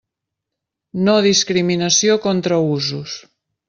No discriminació contra usos.